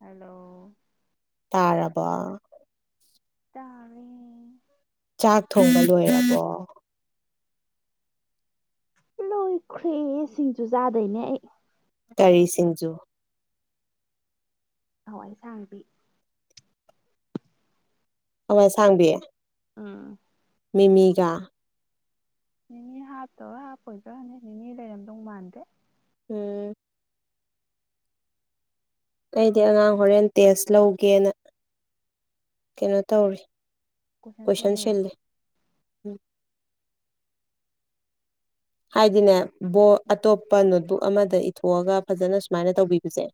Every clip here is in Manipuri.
ꯍꯂꯣ ꯇꯥꯔꯕ ꯇꯔꯦ ꯆꯥꯛ ꯊꯣꯡꯕ ꯂꯣꯏꯔꯕꯣ ꯂꯣꯏꯈ꯭ꯔꯦ ꯁꯤꯡꯁꯨꯨ ꯆꯥꯗꯣꯏꯅꯦ ꯑꯩ ꯇꯔꯤ ꯁꯤꯡꯖꯨ ꯍꯋꯥꯏꯁꯥꯡꯕꯤ ꯑꯋꯥꯏ ꯁꯥꯡꯕꯤꯌꯦ ꯎꯝ ꯃꯤꯦꯃꯤꯒꯥ ꯅꯤꯅꯦ ꯍꯥꯞꯇꯣ ꯍꯥꯞꯄꯣꯏꯗ꯭ꯔꯅꯦ ꯅꯤꯅꯤ ꯂꯩꯔꯝꯗꯧ ꯃꯥꯟꯗꯦ ꯎꯝ ꯑꯩꯗꯤ ꯑꯉꯥꯡ ꯍꯣꯔꯦꯟ ꯇꯦꯁ ꯂꯧꯒꯦꯅ ꯀꯩꯅꯣ ꯇꯧꯔꯤ ꯀꯣꯏꯁꯟ ꯁꯦꯝꯦꯅꯦ ꯎꯝ ꯍꯥꯏꯗꯤꯅꯦꯕ ꯑꯇꯣꯞꯄ ꯅꯣꯠꯕꯨꯛ ꯑꯃꯗ ꯏꯊꯣꯛꯑꯒ ꯐꯖꯅ ꯁꯨꯃꯥꯏꯅ ꯇꯧꯕꯤꯕꯁꯦ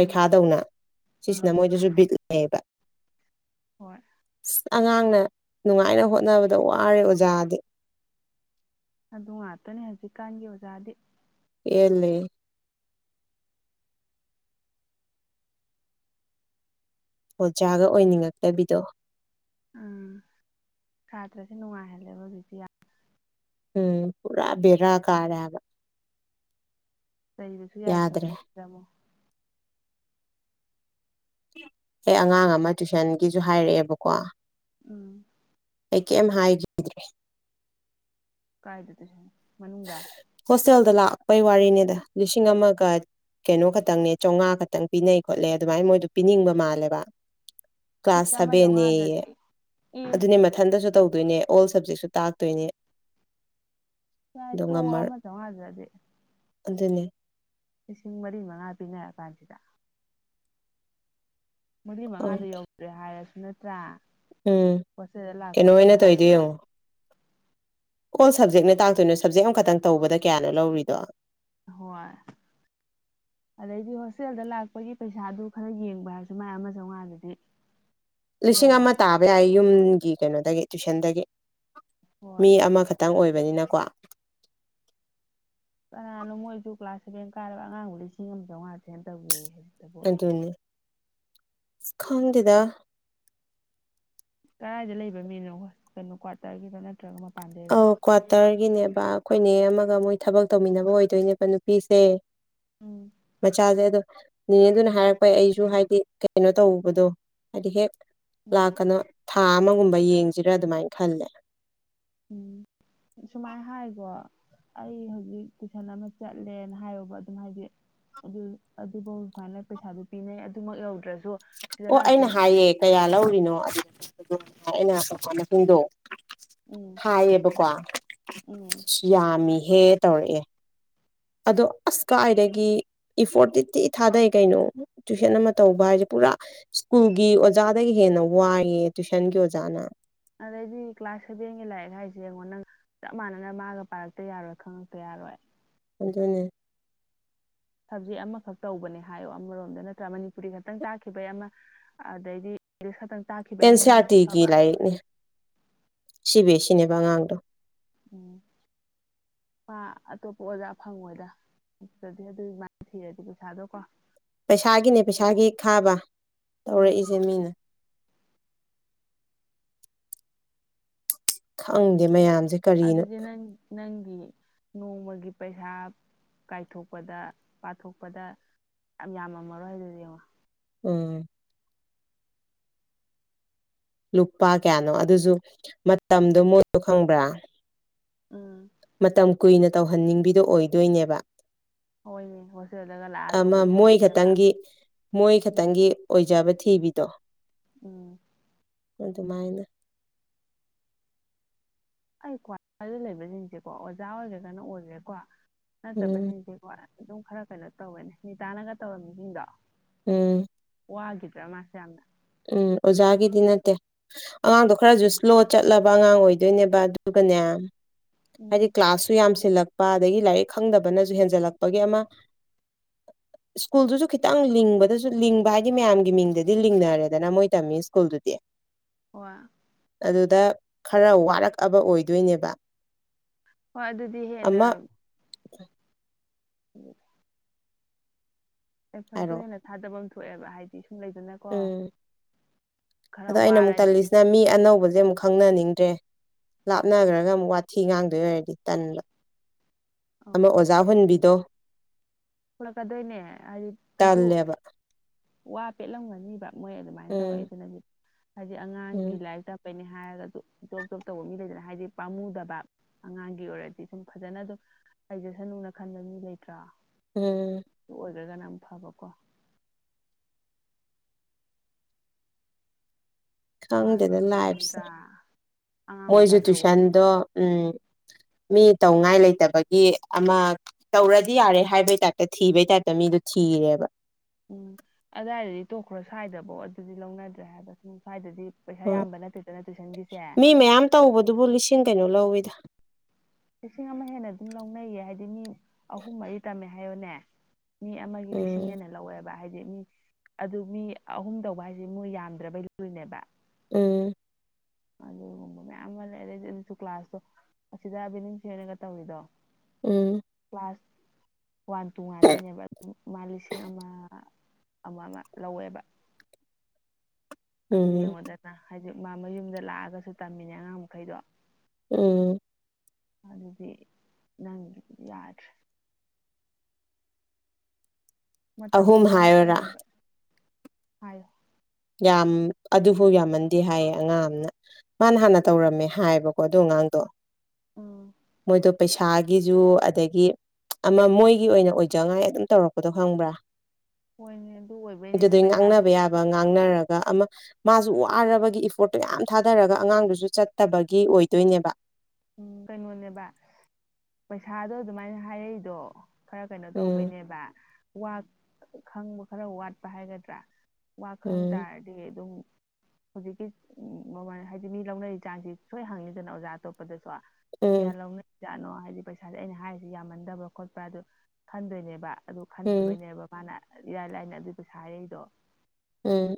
ꯎꯝ ꯁꯤꯁꯤꯅ ꯎꯝ ꯃꯣꯏꯗꯁꯨ ꯕꯤꯠꯂꯌꯦꯕ ꯍꯣꯏ ꯑ ꯑꯉꯥꯡꯅ ꯅꯨꯡꯉꯥꯏꯅ ꯍꯣꯠꯅꯕꯗ ꯋꯥꯔꯦ ꯑꯣꯖꯥꯗꯤ ꯑꯗꯨ ꯉꯥꯛꯇꯅꯦ ꯍꯧꯖꯤꯛꯀꯥꯟꯒꯤ ꯑꯣꯖꯥꯗꯤ ꯌꯦꯂ ꯑꯣꯖꯥꯒ ꯑꯣꯏꯅꯤꯡꯉꯛꯇꯕꯤꯗꯣ ꯎꯝ ꯁꯥꯥꯇ꯭ꯔꯁꯦ ꯅꯨꯡꯉꯥꯏꯍꯜꯂꯦꯕ ꯍꯧꯖꯤꯛꯇꯤ ꯎꯝ ꯄꯨꯥ ꯦꯔꯥ ꯀꯥꯔꯌꯥꯕ ꯂꯩꯕꯁꯨ ꯌꯥꯗ꯭ꯔꯦ ꯌꯥꯗ꯭ꯔꯤꯉꯩꯅꯦꯗꯥ ꯑꯃꯃꯣ ꯑꯦ ꯑꯉꯥꯡ ꯑꯃ ꯇꯨꯏꯁꯟꯒꯤꯁꯨ ꯍꯥꯏꯔꯛꯑꯦꯕꯀꯣ ꯎꯝ ꯑꯩ ꯀꯔꯤꯝ ꯍꯥꯏꯈꯤꯗ꯭ꯔꯦ ꯀꯥꯏꯗꯗꯣꯏꯁꯨ ꯃꯅꯨꯡꯗ ꯍꯣꯁꯇꯦꯜꯗ ꯂꯥꯛꯄꯩ ꯋꯥꯔꯤꯅꯤꯗ ꯂꯤꯁꯤꯡ ꯑꯃꯒ ꯀꯩꯅꯣ ꯈꯛꯇꯪꯅꯦ ꯆꯥꯝꯉꯥ ꯈꯛꯇꯪ ꯄꯤꯅꯩ ꯈꯣꯠꯂꯦ ꯑꯗꯨꯃꯥꯏꯅ ꯃꯣꯏꯗꯣ ꯄꯤꯅꯤꯡꯕ ꯃꯥꯜꯂꯦꯕ ꯀ꯭ꯂꯥꯁ ꯏꯁ ꯑꯃ ꯁꯕꯦꯟꯌꯦ ꯆꯧꯉꯥꯗꯗꯤ ꯑꯦ ꯑꯗꯨꯅꯦ ꯃꯊꯟꯗꯁꯨ ꯇꯧꯗꯣꯏꯅꯦ ꯑꯣꯜ ꯁꯕꯖꯦꯛꯁꯨ ꯇꯥꯛꯇꯣꯏꯅꯦ ꯌꯥꯏ ꯑꯗꯣ ꯇꯣꯛꯑꯣ ꯉꯝꯃꯔꯣꯏ ꯑꯃ ꯆꯃꯉꯥꯗꯨꯗꯗꯤ ꯑꯗꯨꯅꯦ ꯂꯤꯁꯤꯡ ꯃꯔꯤ ꯃꯉꯥ ꯄꯤꯅꯔ ꯀꯥꯟꯁꯤꯗ ꯃꯔꯤ ꯎꯝ ꯃꯉꯥꯗꯨ ꯌꯧꯗ꯭ꯔꯦ ꯍꯥꯏꯔꯁꯨ ꯅꯠꯇ꯭ꯔꯥ ꯍꯣꯜꯁꯇꯦꯜꯗ ꯀꯩꯅꯣ ꯂꯥꯛꯄꯒꯤ ꯑꯣꯏꯅ ꯇꯧꯔꯤꯗꯣ ꯍꯥꯏꯔꯣꯕ ꯌꯦꯡꯉꯣ ꯑꯣꯜ ꯁꯞꯖꯦꯛꯅꯦ ꯇꯥꯛꯇꯣꯏꯅꯣ ꯁꯞꯖꯦꯛ ꯑꯃꯈꯛꯇꯪ ꯇꯧꯕꯗ ꯀꯌꯥꯅꯣ ꯂꯧꯔꯤꯗꯣ ꯍꯣꯏ ꯑꯗꯩꯗꯤ ꯍꯣꯁꯇꯦꯜꯗ ꯂꯥꯛꯄꯒꯤ ꯄꯩꯁꯥꯗꯨ ꯈꯔ ꯌꯦꯡꯕ ꯍꯥꯏꯔꯁꯨ ꯃꯥꯏ ꯑꯃ ꯆꯧꯉꯥꯗꯨꯗꯤ [inaudible] ꯂꯤꯁꯤꯡ ꯑꯃ ꯇꯥꯕ ꯌꯥꯏ ꯌꯨꯝꯒꯤ ꯀꯩꯅꯣꯗꯒꯤ ꯇꯨꯏꯁꯟꯗꯒꯤ ꯍꯣꯏ ꯃꯤ ꯑꯃꯈꯛ ꯈꯤꯇꯪ ꯑꯣꯏꯕꯅꯤꯅꯀꯣ ꯀꯅꯥꯅꯣ ꯃꯣꯏꯁꯨ ꯀ꯭ꯂꯥꯁ ꯁꯦꯚꯦꯟ ꯀꯥꯏꯔꯕ ꯑꯉꯥꯡꯕꯨ ꯂꯤꯁꯤꯡ ꯑꯃ ꯆꯥꯝꯉꯥꯥꯁꯦꯅ ꯇꯧꯒꯦ ꯍꯥꯏ ꯑꯗꯨꯅꯦ ꯑ ꯈꯪꯗꯦꯗ ꯀꯗꯥꯥꯏꯗ ꯂꯩꯕ ꯃꯤꯅꯣ ꯀꯩꯅꯣ ꯀ꯭ꯋꯥꯇꯔꯒꯤꯔꯣ ꯅꯠꯇ꯭ꯔꯒ ꯃꯄꯥꯟꯗꯩꯔꯣ ꯑꯧ ꯀ꯭ꯋꯥꯇꯔꯒꯤꯅꯦꯕ ꯑꯩꯈꯣꯏ ꯅꯦ ꯑꯃꯒ ꯃꯣꯏ ꯊꯕꯛ ꯇꯧꯃꯤꯟꯅꯕ ꯑꯣꯏꯗꯣꯏꯅꯦꯕ ꯅꯨꯄꯤꯁꯦ ꯎꯝ ꯃꯆꯥꯁꯦ ꯑꯗꯣ ꯅꯦꯅꯦ ꯗꯨꯅ ꯍꯥꯏꯔꯛꯄꯩ ꯑꯩꯁꯨ ꯍꯥꯏꯗꯤ ꯀꯩꯅꯣ ꯇꯧꯕꯗꯣ ꯍꯥꯏꯗꯤ ꯍꯦꯛ ꯎꯝ ꯂꯥꯛꯀꯅꯣ ꯊꯥ ꯑꯃꯒꯨꯝꯕ ꯌꯦꯡꯁꯤꯔꯥ ꯑꯗꯨꯃꯥꯏꯅ ꯈꯟꯕꯥ ꯎꯝ ꯁꯨꯃꯥꯏꯅ ꯍꯥꯏꯀꯣ ꯑꯩ ꯍꯧꯖꯤꯛ ꯇꯨꯏꯁꯟ ꯑꯃ ꯆꯠꯂꯦꯅ ꯍꯥꯏꯌꯦꯕ ꯑꯗꯨꯝ ꯍꯥꯏꯗꯤ ꯑꯗꯨ ꯑꯗꯨꯐꯧ ꯁꯨꯃꯥꯏꯅ ꯄꯩꯁꯥꯗꯨ ꯄꯤꯅꯩ ꯑꯗꯨꯃꯛ ꯌꯧꯗ꯭ꯔꯁꯨ ꯁꯤꯗ ꯑꯣ ꯑꯩꯅ ꯂꯥꯛꯇꯣꯏꯅ ꯍꯥꯏꯌꯦ ꯅꯪ ꯀꯌꯥ ꯂꯧꯔꯤꯅꯣ ꯑꯗꯨ ꯑꯩꯅ ꯃꯁꯤꯡꯗꯣ ꯎꯝ ꯍꯥꯏꯌꯦꯕꯀꯣ ꯎꯝ ꯌꯥꯝꯃꯤꯍꯦ ꯇꯧꯔꯛꯑꯦ ꯑꯗꯣ ꯑꯁ ꯀꯥꯏꯗꯒꯤ ꯏꯐꯣꯔꯠꯇꯤ ꯊꯤ ꯊꯥꯗꯩꯩ ꯀꯩꯅꯣ ꯇꯨꯏꯁꯟ ꯑꯃ ꯇꯧꯕ ꯍꯥꯏꯁꯦ ꯄꯨꯔꯥ ꯁ꯭ꯀꯨꯜꯒꯤ ꯑꯣꯖꯥꯗꯒꯤ ꯍꯦꯟꯅ ꯋꯥꯏꯌꯦ ꯇꯨꯏꯁꯟꯒꯤ ꯑꯣꯖꯥꯅ ꯑꯗꯩꯗꯤ ꯀ꯭ꯂꯥꯁ ꯁꯦꯚꯦꯟꯒꯤ ꯂꯥꯏꯔꯤꯛ ꯍꯥꯏꯁꯦ ꯌꯦꯡꯉꯣ ꯅꯪ ꯆꯞ ꯃꯥꯟꯅꯅ ꯃꯥꯒ ꯄꯥꯔꯛꯇ ꯌꯥꯔꯣꯏ ꯈꯪꯉꯛꯇ ꯌꯥꯔꯣꯏ ꯑꯗꯨꯅꯦ ꯁꯕꯖꯦꯛ ꯑꯃꯈꯛ ꯇꯧꯕꯅꯦ ꯍꯥꯏꯌꯣ ꯑꯃꯔꯣꯝꯗ ꯅꯠꯇ꯭ꯔꯥ ꯃꯅꯤꯄꯨꯔꯤ ꯈꯛꯇꯪ ꯇꯥꯛꯈꯤꯕꯩ ꯑꯃ ꯑꯗꯩꯗꯤ ꯑꯦꯡꯂꯤꯁ꯭ ꯈꯛꯇꯪ ꯀꯛꯈꯤ ꯑꯦꯟ ꯁꯤ ꯑꯥꯔ ꯇꯤꯒꯤ ꯂꯥꯏꯔꯤꯛꯅꯦ ꯁꯤ ꯕꯤ ꯎꯝ ꯑꯦꯁ ꯁꯤꯅꯦꯕ ꯑꯉꯥꯡꯗꯣ ꯎꯝ ꯃꯥ ꯑꯇꯣꯞꯄ ꯑꯣꯖꯥ ꯐꯪꯉꯣꯏꯗ ꯑꯗꯨꯒꯤꯃꯥꯏꯅ ꯄꯤꯔꯗꯤ ꯄꯩꯁꯥꯗꯣ ꯀꯣ ꯄꯩꯁꯥꯒꯤꯅꯦ ꯄꯩꯁꯥꯒꯤ ꯈꯥꯕ ꯎꯝ ꯇꯧꯔꯛꯏꯁꯦ ꯃꯤꯅ ꯈꯪꯗꯦ ꯃꯌꯥꯝꯁꯦ ꯀꯔꯤꯅꯣ ꯑꯗꯨꯗꯤ ꯅꯪ ꯅꯪꯒꯤ ꯅꯣꯡꯃꯒꯤ ꯄꯩꯁꯥ ꯀꯥꯏꯊꯣꯛꯄꯗ ꯄꯥꯊꯣꯛꯄꯗ ꯌꯥꯝ ꯌꯥꯝꯃꯥꯝꯃꯥꯔꯣꯏ ꯑꯗꯨꯗꯤ ꯌꯦꯡꯉꯣ ꯎꯝ ꯂꯨꯄꯥ ꯀꯌꯥꯅꯣ ꯑꯗꯨꯁꯨ ꯃꯇꯝꯗꯣ ꯃꯣꯏꯗꯣ ꯈꯪꯕ꯭ꯔꯥ ꯎꯝ ꯃꯇꯝ ꯀꯨꯏꯅ ꯇꯧꯍꯟꯅꯤꯡꯕꯤꯗꯣ ꯑꯣꯏꯗꯣꯏꯅꯦꯕ ꯍꯣꯏꯅꯦ ꯍꯣꯁꯇꯦꯜꯗꯒ ꯂꯥꯛꯑ ꯑꯃ ꯇꯧꯕꯅꯦ ꯍꯥꯏꯕ ꯃꯣꯏ ꯑꯃ ꯈꯛꯇꯪꯒꯤ ꯃꯣꯏ ꯎꯝ ꯈꯛꯇꯪꯒꯤ ꯑꯣꯏꯖꯥꯕ ꯊꯤꯕꯤꯗꯣ ꯎꯝ ꯑꯗꯨꯃꯥꯏꯅ ꯑꯩ ꯀ꯭ꯋꯥꯗ ꯂꯩꯕꯁꯤꯡꯁꯦꯀꯣ ꯑꯣꯖꯥ ꯑꯣꯏꯒꯔꯒꯅ ꯑꯣꯏꯒꯔ꯭ꯦ ꯀꯣ ꯎꯝ ꯅꯠꯇꯕꯁꯤꯡꯁꯦ ꯍꯣꯏ ꯑꯗꯨꯝ ꯈꯔ ꯀꯩꯅꯣ ꯇꯧꯒꯅꯤ ꯅꯤꯇꯥꯅꯒ ꯇꯧꯔꯝ ꯃꯤꯁꯤꯡꯗꯣ ꯎꯝ ꯋꯥꯈꯤꯗ꯭ꯔꯥ ꯃꯥꯁꯦ ꯌꯥꯝꯅ ꯎꯝ ꯑꯣꯖꯥꯒꯤꯗꯤ ꯅꯠꯇꯦ ꯑꯉꯥꯡꯗꯣ ꯈꯔꯁꯨ ꯎꯝ ꯁ꯭ꯂꯣ ꯆꯠꯂꯕ ꯑꯉꯥꯡ ꯑꯣꯏꯗꯣꯏꯅꯦꯕ ꯑꯗꯨꯒꯅꯦ ꯍꯥꯏꯗꯤ ꯎꯝ ꯀ꯭ꯂꯥꯁꯁꯨ ꯌꯥꯝꯁꯤꯜꯂꯛ ꯄꯥꯗꯒꯤ ꯂꯥꯏꯔꯤꯛ ꯈꯪꯗꯕꯅꯁꯨ ꯍꯦꯟꯖꯜꯂꯛꯄꯒꯤ ꯑꯃ ꯁ꯭ꯀꯨꯜꯗꯨꯁꯨ ꯈꯤꯇꯪ ꯂꯤꯡꯕꯗꯁꯨ ꯂꯤꯡꯕ ꯍꯥꯏꯗꯤ ꯃꯌꯥꯝꯒꯤ ꯃꯤꯡꯗꯗꯤ ꯂꯤꯡꯅꯔꯦ ꯅꯥꯅꯥꯎ ꯃꯣꯏ ꯇꯝꯕ ꯏꯁ꯭ꯀꯨꯜꯗꯨꯗꯤ ꯋꯥ ꯑꯗꯨꯗ ꯈꯔ ꯋꯥꯔꯛꯑꯕ ꯑꯣꯏꯗꯣꯏꯅꯦꯕ ꯍꯣꯏ ꯑꯗꯨꯗꯤ ꯍꯦꯟꯅ ꯑꯃ ꯎꯝ ꯑꯦꯐꯔꯠꯇꯣ ꯍꯥꯏꯔꯛꯑꯣ ꯍꯦꯟꯅ ꯊꯥꯗꯕꯥꯝ ꯊꯣꯛꯑꯦꯕ ꯍꯥꯏꯗꯤ ꯁꯨꯝ ꯂꯩꯗꯅ ꯎꯝ ꯑꯗꯣ ꯑꯩꯅ ꯑꯃꯨꯛ ꯋꯥꯔꯗꯤ ꯇꯜꯂꯤꯁꯤꯅ ꯃꯤ ꯑꯅꯧꯕꯁꯦ ꯑꯃꯨꯛ ꯈꯪꯅꯅꯤꯡꯗ꯭ꯔꯦ ꯂꯥꯞꯅꯈ꯭ꯔꯒ ꯑꯃꯨꯛ ꯋꯥꯊꯤ ꯉꯥꯡꯗꯣꯏ ꯑꯣꯏꯔꯗꯤ ꯇꯟꯕ ꯑꯃ ꯑꯧ ꯑꯣꯖꯥ ꯍꯨꯟꯕꯤꯗꯣ ꯍꯨꯜꯂꯛꯀꯗꯣꯏꯅꯦ ꯍꯥꯏꯗꯤ ꯀꯩꯁꯨ ꯇꯜꯂꯦꯕ ꯋꯥ ꯄꯦꯠꯂꯝꯒꯅꯤꯕ ꯃꯣꯏ ꯑꯗꯨꯃꯥꯏꯅ ꯎꯝ ꯇꯧꯔꯛꯏ ꯗꯨꯅꯗꯤ ꯍꯥꯏꯗꯤ ꯎꯝ ꯑꯉꯥꯡꯒꯤ ꯂꯥꯏꯔꯤꯛ ꯇꯣꯏꯅꯤ ꯍꯥꯏꯔꯒꯁꯨ ꯖꯣꯕ ꯖꯣꯕ ꯇꯧꯕ ꯃꯤ ꯂꯩꯗꯅ ꯍꯥꯏꯗꯤ ꯄꯥꯝꯃꯨꯗꯕ ꯑꯉꯥꯡꯒꯤ ꯑꯣꯏꯔꯗꯤ ꯑꯗꯨꯝ ꯐꯖꯅ ꯑꯗꯨꯝ ꯂꯩꯖꯁꯥꯅꯨꯅ ꯈꯟꯕ ꯃꯤ ꯂꯩꯇ꯭ꯔꯥ ꯎꯝ ꯑꯗꯨꯨ ꯑꯣꯏꯈ꯭ꯔꯒꯅ ꯑꯃꯨꯛ ꯐꯕꯀꯣ ꯈꯇꯪ ꯃꯥꯁꯨ ꯌꯦꯉꯒꯥ ꯂꯥꯏꯐꯁꯦ ꯅꯠꯇ꯭ꯔꯥ ꯑꯉꯥꯡ ꯃꯣꯏꯁꯨ ꯃꯆꯥꯏ ꯇꯧꯕꯕꯨ ꯇꯨꯏꯁꯟꯗꯣ ꯎꯝ ꯃꯤ ꯇꯧꯉꯥꯏ ꯂꯩꯇꯕꯒꯤ ꯑꯃ ꯇꯧꯔꯗꯤ ꯌꯥꯔꯦ ꯍꯥꯏꯕꯩ ꯇꯥꯏꯞꯇ ꯊꯤꯕꯩ ꯇꯥꯏꯞꯇ ꯃꯤꯗꯨ ꯊꯤꯔꯦꯕ ꯎꯝ ꯑꯗꯥꯏꯗꯗꯤ ꯇꯣꯛꯈ꯭ꯔꯣ ꯁ꯭ꯏꯗꯐꯧ ꯑꯗꯨꯗꯤ ꯂꯧꯅꯗ꯭ꯔꯦ ꯍꯥꯏꯕ ꯁꯨꯝ ꯁ꯭ꯋꯥꯏꯗꯗꯤ ꯄꯩꯁꯥ ꯍꯣꯏ ꯌꯥꯝꯕ ꯅꯠꯇꯦꯗꯅ ꯇꯨꯏꯁꯟꯒꯤꯁꯦ ꯃꯤ ꯃꯌꯥꯝ ꯇꯧꯕꯗꯨꯕꯨ ꯂꯤꯁꯤꯡ ꯀꯩꯅꯣ ꯂꯧꯋꯤꯗ ꯂꯤꯁꯤꯡ ꯑꯃ ꯍꯦꯟꯅ ꯑꯗꯨꯝ ꯂꯧꯅꯩꯌꯦ ꯍꯥꯏꯗꯤ ꯃꯤ ꯑꯍꯨꯝ ꯃꯔꯤ ꯇꯝꯃꯦ ꯍꯥꯏꯌꯦꯅꯦ ꯃꯤ ꯑꯃꯒꯤ ꯂꯤꯁꯤꯡ ꯎꯝ ꯑꯩꯅ ꯂꯧꯋꯦꯕ ꯍꯥꯏꯗꯤ ꯃꯤ ꯑꯗꯨ ꯃꯤ ꯑꯍꯨꯝ ꯇꯧꯕ ꯍꯥꯏꯁꯦ ꯃꯣꯏ ꯌꯥꯝꯗ꯭ꯔꯕꯩ ꯂꯨꯏꯅꯦꯕ ꯎꯝ ꯑꯗꯨꯒꯨꯝꯕ ꯃꯌꯥꯝ ꯑꯃ ꯂꯩ ꯑꯗꯩ ꯑꯗꯨ ꯀ꯭ꯂꯥꯁꯇꯣ ꯑꯁꯤꯗ ꯕꯤꯅꯤꯡ ꯁꯩꯔꯦꯡꯒ ꯇꯧꯔꯤꯗꯣ ꯎꯝ ꯀ꯭ꯂꯥꯁ ꯋꯥꯟ ꯇꯨ ꯉꯥꯛꯇꯅꯦꯕ ꯑꯗꯨ ꯃꯥ ꯂꯤꯁꯤꯡ ꯑꯃ ꯑꯃ ꯑꯃ ꯂꯧꯋꯦꯕ ꯑꯗꯨ ꯎꯝ ꯌꯦꯡꯉꯨꯗꯅ ꯍꯥꯏꯗꯤ ꯃꯥ ꯃꯌꯨꯝꯗ ꯂꯥꯛꯑꯒꯁꯨ ꯇꯝꯃꯤꯅꯦ ꯑꯉꯥꯡ ꯃꯈꯩꯗꯣ ꯎꯝ ꯅꯪꯗꯤ ꯅꯪ ꯌꯥꯗ꯭ꯔꯦ ꯃꯇꯝꯁꯨ ꯑꯍꯨꯝ ꯍꯥꯏꯔꯣꯔꯥ ꯃꯥꯡꯉꯛꯀꯅꯦꯕ ꯍꯥꯏ ꯌꯥꯝ ꯑꯗꯨꯐꯥꯎ ꯌꯥꯝꯃꯟꯗꯦ ꯍꯥꯏꯌꯦ ꯑꯉꯥꯡ ꯑꯃꯅ ꯃꯥꯅ ꯍꯥꯟꯅ ꯇꯧꯔꯝꯃꯦ ꯍꯥꯏꯌꯦꯕꯀꯣ ꯑꯗꯨ ꯑꯉꯥꯡꯗꯣ ꯃꯣꯏꯗꯣ ꯄꯩꯁꯥ ꯊꯥꯒꯤꯖꯨ ꯑꯗꯒꯤ ꯑꯃ ꯃꯣꯏꯒꯤ ꯑꯣꯏꯅ ꯑꯣꯏꯖꯉꯥꯏ ꯑꯗꯨꯝ ꯇꯧꯔꯛꯄꯗꯣ ꯈꯪꯕ꯭ꯔꯥ ꯍꯣꯏꯅꯦ ꯑꯗꯨ ꯑꯣꯏꯕꯩꯅꯤꯅꯦ ꯑꯗꯨꯗꯩ ꯄꯩꯁꯥꯗꯨ ꯉꯥꯡꯅꯕ ꯌꯥꯕ ꯉꯥꯡꯅꯔꯒ ꯑꯃ ꯃꯥꯁꯨ ꯋꯥꯔꯕꯒꯤ ꯏꯐꯣꯔꯠꯇꯨ ꯃꯌꯥꯝ ꯊꯥꯗꯔꯒ ꯑꯉꯥꯡꯗꯨꯁꯨ ꯆꯠꯇꯕꯒꯤ ꯑꯣꯏꯗꯣꯏꯅꯦꯕ ꯎꯝ ꯀꯩꯅꯣꯅꯦꯕ ꯄꯩꯁꯥꯗꯣ ꯑꯗꯨꯃꯥꯏꯅ ꯍꯥꯏꯔꯛꯏꯗꯣ ꯈꯔ ꯀꯩꯅꯣ ꯎꯝ ꯇꯧꯕꯩꯅꯦꯕ ꯈꯪꯕ ꯈꯔ ꯋꯥꯠꯄ ꯍꯥꯏꯒꯗ꯭ꯔꯥ ꯋꯥꯈꯪ ꯎꯝ ꯇꯥꯔꯗꯤ ꯁꯤ ꯑꯗꯨꯝ ꯍꯧꯖꯤꯛꯀꯤ ꯃꯃꯜ ꯍꯥꯏꯗꯤ ꯃꯤ ꯂꯧꯅꯔꯤ ꯆꯥꯡꯁꯤ ꯁꯣꯏ ꯍꯪꯉꯤꯗꯅ ꯑꯣꯖꯥ ꯑꯇꯣꯞ ꯂꯗꯁꯨ ꯀꯌꯥ ꯎꯝ ꯂꯧꯅꯩ ꯄꯩꯖꯥꯠꯅꯣ ꯍꯥꯏꯗꯤ ꯄꯩꯁꯥꯁꯦ ꯑꯩꯅ ꯍꯥꯏꯔꯤꯁꯦ ꯌꯥꯝꯃꯟꯗꯕꯥ ꯈꯣꯠꯄ꯭ꯔꯥ ꯑꯗꯨ ꯈꯟꯗꯣꯏꯅꯦꯕ ꯑꯗꯨ ꯈꯟꯗꯕꯩꯅꯦꯕ ꯃꯥꯅ ꯏꯔꯥꯏ ꯂꯥꯏꯅ ꯑꯗꯨꯢ ꯄꯩꯁꯥ ꯍꯥꯢꯔꯩꯗꯣ ꯎꯝ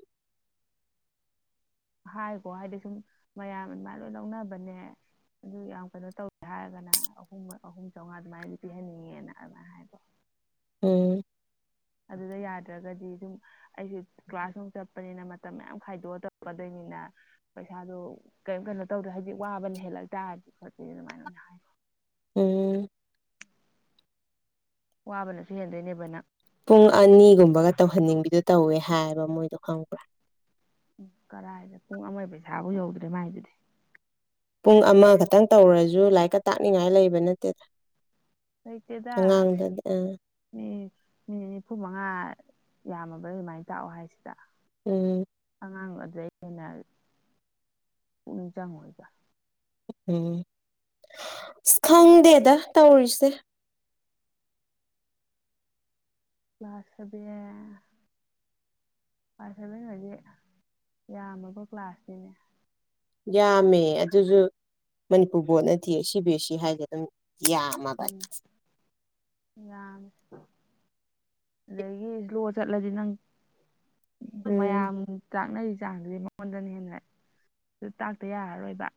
ꯍꯥꯏꯒꯣ ꯍꯥꯏꯗꯤ ꯁꯨꯝ ꯃꯌꯥꯝ ꯑꯗꯨꯝ ꯂꯣꯏ ꯂꯧꯅꯕꯅꯦ ꯑꯗꯨ ꯌꯥꯝ ꯀꯩꯅꯣ ꯇꯧꯋꯦ ꯍꯥꯏꯔꯒꯅ ꯑꯍꯨꯝ ꯑꯍꯨꯝ ꯆꯥꯝꯃꯉꯥ ꯑꯗꯨꯃꯥꯏꯅꯗꯤ ꯄꯤꯍꯟꯅꯤꯡꯉꯦꯅ ꯑꯗꯨꯃꯥꯏꯅ ꯍꯥꯏꯕꯣ ꯎꯝ ꯑꯗꯨꯗ ꯌꯥꯗ꯭ꯔꯒꯗꯤ ꯑꯗꯨꯝ ꯑꯩꯁꯨ ꯀ꯭ꯂꯁ ꯅꯨꯡ ꯆꯠꯄꯅꯤꯅ ꯃꯇꯝ ꯃꯌꯥꯝ ꯈꯥꯏꯗꯣꯛꯑ ꯇꯧꯀꯗꯣꯏꯅꯤꯅ ꯄꯩꯁꯥꯗꯣ ꯀꯔꯤꯝ ꯀꯩꯅꯣ ꯇꯧꯗ꯭ꯔꯦ ꯍꯧꯖꯤꯛ ꯋꯥꯕꯅ ꯍꯦꯜꯂꯛ ꯇꯥꯔꯗꯤ ꯈꯣꯠꯄ ꯑꯗꯨꯃꯥꯏꯅ ꯑꯣꯏꯅ ꯍꯥꯏ ꯎꯝ ꯋꯥꯕꯅꯁꯨ ꯍꯦꯟꯗꯣꯏꯅꯦꯕꯅ ꯄꯨꯡ ꯑꯅꯤꯒꯨꯝꯕꯒ ꯇꯧꯍꯟꯅꯤꯡꯕꯤꯗꯨ ꯇꯧꯋꯦ ꯍꯥꯏꯕ ꯃꯣꯏꯗꯣ ꯈꯪꯕ꯭ꯔꯥ ꯎ ꯀꯔꯥꯏꯗ ꯄꯨꯡ ꯑꯃꯒꯤ ꯄꯩꯁꯥꯐꯧ ꯌꯧꯗ꯭ꯔꯦ ꯃꯥꯏꯗꯨꯗꯤ ꯄꯨꯡ ꯑꯃꯈꯛꯇꯪ ꯇꯧꯔꯁꯨ ꯂꯥꯏꯔꯤꯛꯀ ꯇꯥꯛꯅꯤꯡꯉꯥꯏ ꯂꯩꯕ ꯅꯠꯇꯦꯗ ꯂꯩꯇꯦꯗꯥ ꯑꯉꯥꯡꯗꯗꯤ ꯑ ꯃꯤ ꯃꯤꯠ ꯅꯤꯐꯨꯃꯉꯥ ꯌꯥꯝꯃꯕ꯭ꯔꯥ ꯑꯗꯨꯃꯥꯏꯅ ꯇꯥꯛꯑꯣ ꯍꯥꯏꯁꯤꯗ ꯎꯝ ꯉꯥꯡꯑꯗ꯭ꯔꯩ ꯍꯦꯟꯅ ꯄꯨꯛꯅꯤꯡ ꯆꯪꯉꯣꯏꯕ ꯎꯝ ꯑꯁ ꯈꯪꯗꯦꯗ ꯇꯧꯔꯤꯁꯦ ꯀ꯭ꯂꯥꯁ ꯁꯕꯦꯟ ꯀ꯭ꯂꯥꯁ ꯁꯦꯚꯦꯟ ꯑꯣꯢꯗꯤ ꯌꯥꯝꯃꯕ ꯀ꯭ꯂꯥꯁꯅꯤꯅꯦ ꯌꯥꯝꯃꯦ ꯑꯗꯨꯁꯨ ꯃꯅꯤꯄꯨꯔ ꯕꯣꯔꯠ ꯅꯠꯇꯦ ꯁꯤ ꯕꯤ ꯑꯦꯁ ꯁꯤ ꯍꯥꯏꯁꯦ ꯑꯗꯨꯝ ꯌꯥꯝꯃꯦ ꯎꯝ ꯌꯥ ꯑꯗꯒꯤ ꯂꯣ ꯆꯠꯂꯗꯤ ꯅꯪ ꯎꯝ ꯃꯌꯥꯝ ꯇꯥꯛꯅꯔꯤ ꯆꯥꯡꯁꯤꯗꯤ ꯃꯉꯣꯟꯗꯅ ꯍꯦꯟꯅ ꯇꯥꯛꯇ ꯌꯥꯔꯔꯣꯏꯕ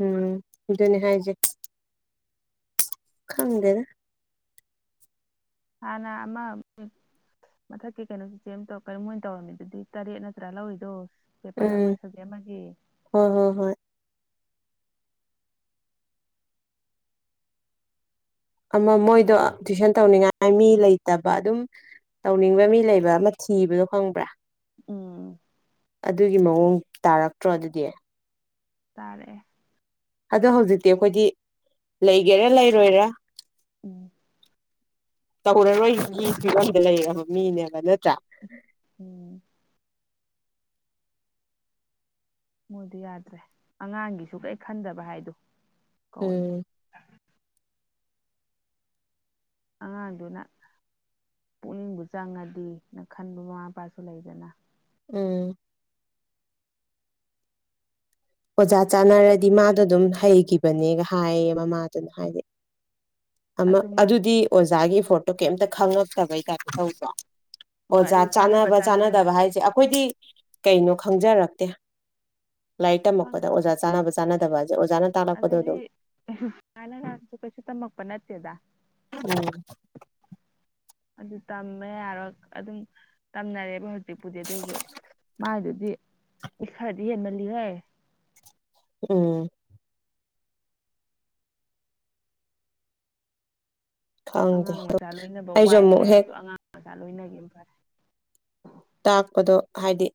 ꯎꯝ ꯑꯗꯨꯅꯦ ꯍꯥꯏꯖꯦ ꯈꯪꯗꯦꯗ ꯍꯥꯟꯅ ꯑꯃ ꯃꯊꯛꯀꯤ ꯀꯩꯅꯣ ꯆꯆꯦ ꯀꯔꯤ ꯃꯣꯏꯅ ꯇꯧꯔꯝꯃꯤꯗꯨꯗꯤ ꯇꯔꯦꯠ ꯅꯠꯇ꯭ꯔꯥ ꯂꯧꯔꯤꯗꯣ ꯄꯦꯄꯔ ꯑꯃ ꯎꯝ ꯁꯕꯖꯦꯛ ꯑꯃꯒꯤ ꯍꯣꯏ ꯍꯣꯏ ꯍꯣꯏ ꯑꯃ ꯃꯣꯏꯗꯣ ꯇꯨꯋꯏꯁꯟ ꯇꯧꯅꯤꯡꯉꯥꯏ ꯃꯤ ꯂꯩꯇꯕ ꯑꯗꯨꯝ ꯇꯧꯅꯤꯡꯕ ꯃꯤ ꯂꯩꯕ ꯑꯃ ꯊꯤꯕꯗꯣ ꯈꯪꯕ꯭ꯔꯥ ꯎꯝ ꯑꯗꯨꯒꯤ ꯃꯑꯣꯡ ꯇꯥꯔꯛꯇ꯭ꯔꯣ ꯑꯗꯨꯗꯤ ꯇꯥꯔꯛꯑꯦ ꯑꯗꯣ ꯍꯧꯖꯤꯛꯇꯤ ꯑꯩꯈꯣꯏꯗꯤ ꯂꯩꯒꯦꯔꯥ ꯂꯩꯔꯣꯏꯔꯥ ꯎꯝ ꯇꯧꯔꯔꯣꯏꯒꯤ ꯐꯤꯕꯝꯗ ꯂꯩꯔꯕ ꯃꯤꯅꯦꯕ ꯅꯠꯇ꯭ꯔꯥ ꯎꯝ ꯃꯣꯏꯗꯤ ꯌꯥꯗ꯭ꯔꯦ ꯑꯉꯥꯡꯒꯤꯁꯨ ꯀꯔꯤ ꯈꯟꯗꯕ ꯍꯥꯏꯗꯨ ꯀꯧꯋꯦ ꯎꯝ ꯃꯣꯏ ꯑꯉꯥꯡꯗꯨꯅ ꯄꯨꯛꯅꯤꯡꯕꯨ ꯆꯪꯉꯗꯤꯅ ꯈꯟꯕ ꯃꯃꯥ ꯃꯄꯥꯁꯨ ꯂꯩꯗꯅ ꯎꯝ ꯑꯣꯖꯥ ꯆꯥꯟꯅꯔꯗꯤ ꯃꯥꯗꯣ ꯑꯗꯨꯝ ꯍꯩꯈꯤꯕꯅꯦꯒ ꯍꯥꯏꯌꯦ ꯃꯃꯥꯗꯨꯅ ꯍꯥꯏꯗꯤ ꯑꯗꯨ ꯃꯥ ꯑꯗꯨꯗꯤ ꯑꯣꯖꯥꯒꯤ ꯐꯣꯇꯣ ꯀꯩꯝꯇ ꯈꯪꯉꯛꯇꯕꯩ ꯇꯥꯢꯞꯇ ꯇꯧꯗ꯭ꯔꯣ ꯍꯣꯏ ꯑꯣꯖꯥ ꯑꯗꯨ ꯆꯥꯅꯕ ꯆꯥꯟꯅꯕ ꯆꯥꯅꯗꯕ ꯆꯥꯟꯅꯗꯕ ꯍꯥꯏꯁꯦ ꯑꯩꯈꯣꯏꯗꯤ ꯀꯩꯅꯣ ꯈꯪꯖꯔꯛꯇꯦ ꯂꯥꯏꯔꯤꯛ ꯇꯝꯃꯛꯄꯗ ꯈꯪꯗꯦꯗ ꯑꯣꯖꯥ ꯆꯥꯅꯕ ꯆꯥꯅꯗꯕ ꯍꯥꯏꯁꯦ ꯑꯣꯖꯥꯅ ꯇꯥꯛꯂꯛꯄꯗꯣ ꯑꯗꯨꯝ ꯀꯅ ꯂꯁꯨ ꯀꯩꯁꯨ ꯇꯝꯃꯛꯄ ꯅꯠꯇꯦꯗ ꯎꯝ ꯑꯗꯨ ꯇꯝꯃꯦ ꯌꯥꯔꯣꯏ ꯑꯗꯨꯝ ꯇꯝꯅꯔꯦꯕ ꯍꯧꯖꯤꯛꯄꯨꯗꯤ ꯑꯗꯨꯑꯣꯏꯁꯨ ꯃꯥꯏꯗꯨꯗꯤ ꯈꯔꯗꯤ ꯍꯦꯟꯃꯜꯂꯤꯍꯦ ꯎꯝ ꯈꯪꯗꯦ ꯑꯉꯥꯡ ꯃꯆꯥ ꯂꯣꯏꯅꯕ ꯑꯩꯁꯨ ꯋꯥꯏ ꯑꯃꯨꯛ ꯍꯦꯛ ꯍꯥꯏꯔꯁꯨ ꯑꯉꯥꯡ ꯃꯆꯥ ꯂꯣꯏꯅꯒꯤ ꯐꯔꯦ ꯇꯥꯛꯄꯗꯣ ꯍꯥꯏꯗꯤ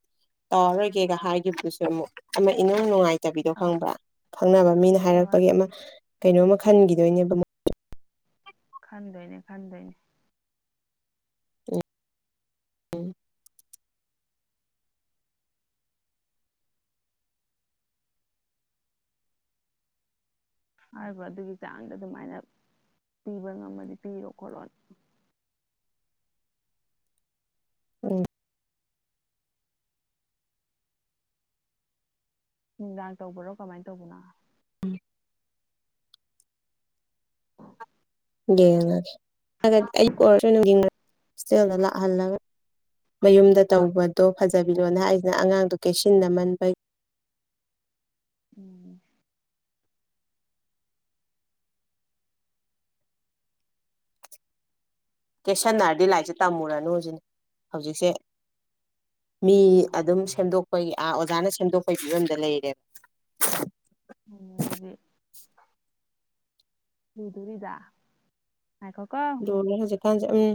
ꯇꯥꯎꯔꯣꯏꯒꯦꯒ ꯍꯥꯏꯈꯤꯕꯗꯨꯁꯨ ꯑꯃꯨꯛ ꯑꯃ ꯏꯅꯨꯡ ꯅꯨꯡꯉꯥꯏꯇ ꯆꯕꯤꯗꯣ ꯑꯥ ꯈꯪꯕ꯭ꯔꯥ ꯈꯪꯅꯕ ꯃꯤꯅ ꯍꯣꯏ ꯍꯥꯏꯔꯛꯄꯒꯤ ꯑꯃ ꯀꯩꯅꯣꯝꯃ ꯈꯟꯈꯤꯗꯣꯏꯅꯦꯕ ꯈꯥꯟꯗꯣꯏꯅꯦ ꯈꯥꯟꯗꯣꯏꯅꯦ ꯎꯝ ꯍꯥꯏꯔꯤꯕ ꯑꯗꯨꯒꯤ ꯆꯥꯡꯗ ꯑꯗꯨꯃꯥꯏꯅ ꯄꯤꯕ ꯉꯝꯃꯗꯤ ꯄꯤꯔꯣ ꯈꯣꯠꯂꯣꯅ ꯎꯝ ꯅꯨꯡꯗꯥꯡ ꯇꯧꯕꯔꯣ ꯀꯃꯥꯏꯅ ꯇꯧꯕꯅꯣ ꯌꯦꯡꯉꯒꯦꯒꯗꯤ ꯑꯩ ꯀ ꯑꯣꯏꯔꯁꯨꯡ ꯍꯣꯁꯇꯦꯜꯗ ꯂꯥꯛꯍꯜꯂꯒ ꯃꯌꯨꯝꯗ ꯇꯧꯕꯗꯣ ꯐꯖꯕꯤꯂꯣꯅ ꯍꯥꯏꯁꯤꯅ ꯑꯉꯥꯡꯗꯣ ꯀꯩꯁꯤꯟꯅꯃꯟꯕ ꯎꯝ ꯀꯦꯁꯟꯅꯔꯗꯤ ꯂꯥꯏꯔꯤꯛꯁꯦ ꯇꯝꯃꯨꯔꯅꯨ ꯍꯧꯖꯤꯛꯅꯦ ꯍꯧꯖꯤꯛꯁꯦ ꯃꯤ ꯑꯣ ꯑꯗꯨꯝ ꯁꯦꯝꯗꯣꯛꯄꯒꯤ ꯑꯥ ꯑꯣꯖꯥꯅ ꯁꯦꯝꯗꯣꯛꯄꯒꯤ ꯐꯤꯕꯝꯗ ꯂꯩꯔꯦꯕ ꯎꯗꯤ ꯂꯨꯗꯨꯔꯤꯗ ꯉꯥꯢꯈꯣꯀꯣ ꯍꯧꯖꯤꯛꯀꯥꯟꯖꯦ ꯎꯝ